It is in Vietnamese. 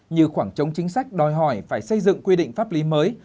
như khoảng trống chính sách đòi hỏi phải xây dựng quy định pháp lý mới